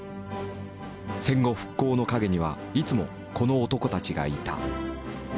戦後復興の陰にはいつもこの男たちがいた。